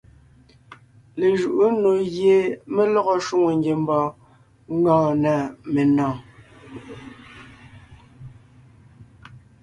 Lejuʼú nò gie mé lɔgɔ shwòŋo ngiembɔɔn gɔɔn na menɔ̀ɔn.